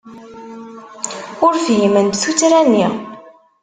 Ur fhiment tuttra-nni.